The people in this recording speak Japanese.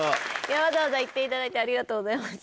わざわざ行っていただいてありがとうございました。